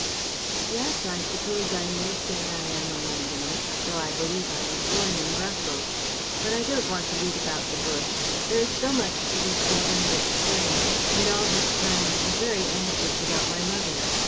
"Yes, I suppose I may say I am a Londoner, though I believe I was born in Brussels. But I don't want to beat about the bush: there is so much to be said and explained, and all this time I am very anxious about my mother.